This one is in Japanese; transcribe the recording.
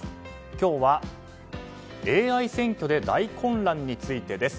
今日はＡＩ選挙で大混乱についてです。